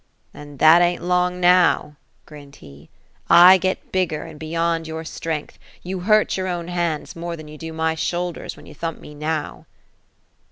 *'" And that an't long, now ;" grinned he. '• 1 get bigger, and beyond your strength ; you hurt your own hands, more than you do my shoul ders, when you thump me now."